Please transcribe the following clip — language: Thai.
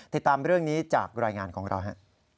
ติดตามเรื่องนี้จากรายงานของเราฮะ